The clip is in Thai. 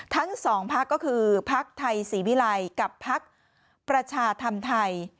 ทั้งสองพักก็คือพักไทยศรีวิลัยกับพักประชาธรรมไทย